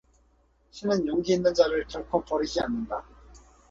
신은 용기 있는 자를 결코 버리지 않는다.